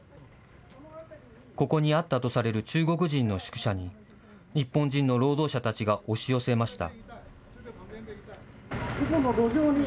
ここにあったとされる中国人の宿舎に日本人の労働者たちが押し寄せました。